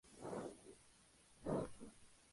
John the Baptist Parish.